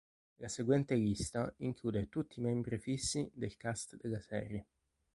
La seguente lista include tutti i membri fissi del cast della serie.